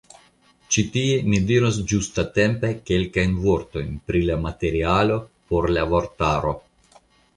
Ĉi tie mi diros ĝustatempe kelkajn vortojn pri la materialo por la vortaro.